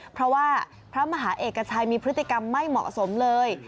เพราะว่าพระมหาเอกชัยมีพฤติกรรมไม่เหมาะสมเลย